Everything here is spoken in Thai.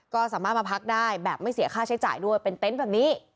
ก็สามารถมาพักได้แบบไม่เสียค่าใช้จ่ายด้วยเป็นเต็นต์แบบนี้